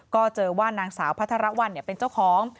ก็เจอว่านางสาวพัทรวรรณเป็นเจ้าของ